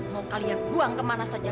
mau kalian buang kemana saja